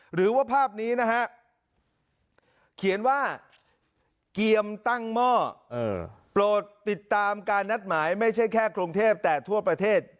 หรือว่าภาพนี้นะฮะเขียนว่าเพราะติดตามการไม่ใช่แค่กรงเทพฯแต่ทั่วประเทศ